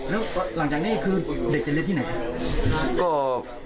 แล้วหลังจากนี้คือเด็กจะเรียนที่ไหน